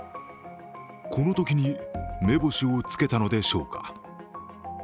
このときに目星をつけたのでしょうか。